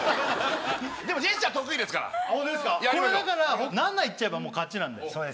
これだから７いっちゃえばもう勝ちなんで。